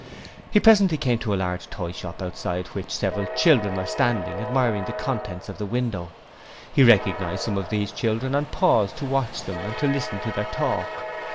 He presently came to a large toy shop outside which several children were standing admiring the contents of the window. He recognized some of these children and paused to watch them and to listen to their talk.